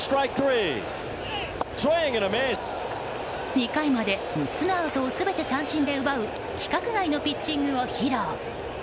２回まで６つのアウトを全ての三振で奪う規格外のピッチングを披露。